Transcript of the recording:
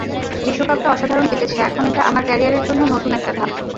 বিশ্বকাপটা অসাধারণ কেটেছে, এখন এটা আমার ক্যারিয়ারের জন্য নতুন একটা ধাপ।